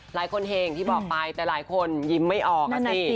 เห็งที่บอกไปแต่หลายคนยิ้มไม่ออกอ่ะสิ